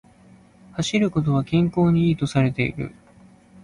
走ることは健康に良いとされている